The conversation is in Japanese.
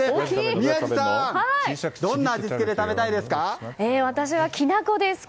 宮司さんどんな味付けで食べたいですか？